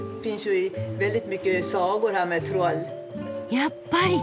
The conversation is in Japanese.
やっぱり！